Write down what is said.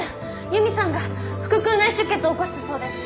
由美さんが腹腔内出血を起こしたそうです。